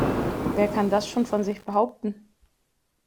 Wer kann das schon von sich behaupten?